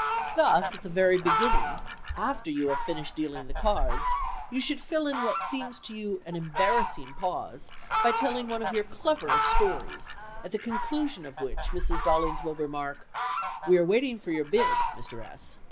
Thus, at the very beginning, after you have finished dealing the cards, you should fill in what seems to you an embarrassing pause by telling one of your cleverest stories, at the conclusion of which Mrs. Dollings will remark, "We are waiting for your bid, Mr. S——."